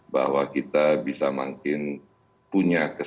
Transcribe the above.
bahwa kita bisa makin punya kesempatan